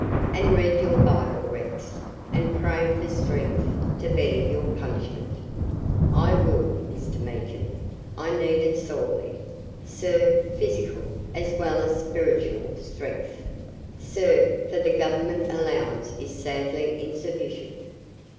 "And read your Bible, Rex, and pray for strength to bear your punishment." "I will, Mr. Meekin. I need it sorely, sir physical as well as spiritual strength, sir for the Government allowance is sadly insufficient."